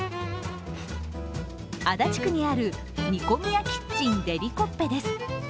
足立区にある２５３８キッチンデリコッペです。